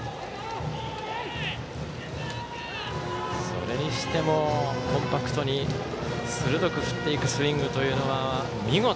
それにしてもコンパクトに鋭く振っていくスイングというのは見事。